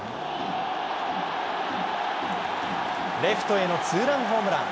レフトへのツーランホームラン。